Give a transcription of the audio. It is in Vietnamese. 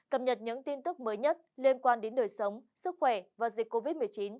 cập nhật những tin tức mới nhất liên quan đến đời sống sức khỏe và dịch covid một mươi chín